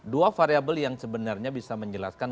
dua variable yang sebenarnya bisa menjelaskan